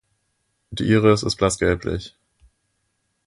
Die Iris ist blass gelblich.